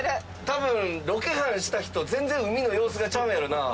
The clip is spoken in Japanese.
多分ロケハンした人全然海の様子がちゃうんやろうな。